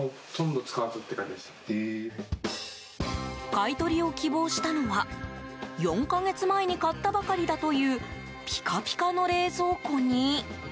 買い取りを希望したのは４か月前に買ったばかりだというピカピカの冷蔵庫に。